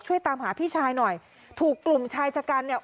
ตามหาพี่ชายหน่อยถูกกลุ่มชายชะกันเนี่ย